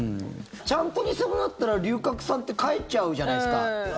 ちゃんと偽物だったら龍角散って書いちゃうじゃないですか。